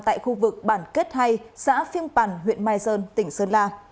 tại khu vực bản kết hay xã phiêng bản huyện mai sơn tỉnh sơn la